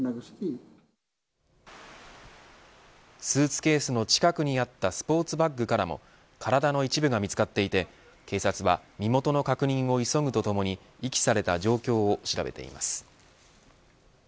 スーツケースの近くにあったスポーツバッグからも体の一部が見つかっていて警察は、身元の確認を急ぐとともに遺棄された状況を調べています。